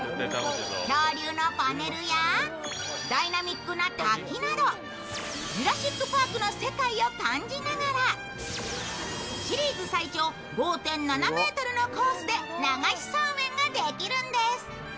恐竜のパネルやダイナミックな滝など、ジュラシック・パークの世界を感じながらシリーズ最長５．７ｍのコースで流しそうめんができるんです。